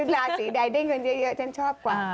ราศีใดได้เงินเยอะฉันชอบกว่า